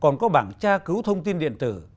còn có bảng tra cứu thông tin điện tử